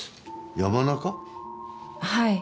はい。